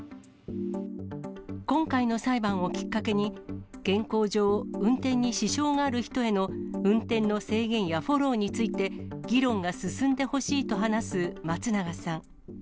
今回の裁判をきっかけに、健康上、運転に支障がある人への、運転の制限やフォローについて議論が進んでほしいと話す松永さん。